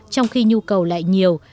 trong khi nhu cầu lại nhiều